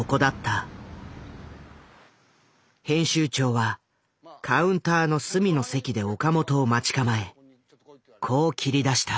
編集長はカウンターの隅の席で岡本を待ち構えこう切り出した。